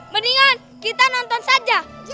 mendingan kita nonton saja